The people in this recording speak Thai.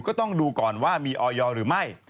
ก็ต้องดูก่อนว่ามีออยหรือไม่